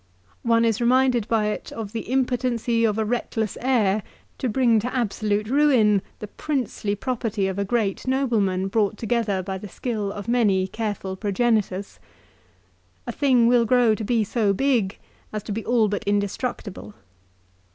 One is reminded by it of the impotency of a reckless heir to bring to absolute ruin the princely 246 LIFE OF CICERO. property of a great nobleman brought together by the skill of many careful progenitors. A thing will grow to be so big as to be all but indestructible.